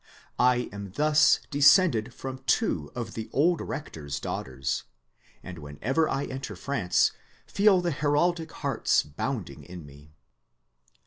I am thus descended from two of the old rector's daughters, and whenever I enter France feel the heraldic hearts bounding in me.